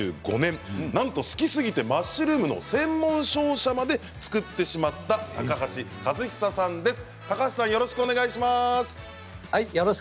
３５年好きすぎてマッシュルームの専門商社まで作ってしまった高橋和久さんです。